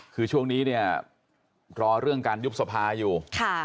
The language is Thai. คือช่วงนี้เนี่ยรอเรื่องการยุบสภาอยู่